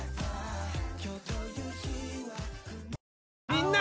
みんな！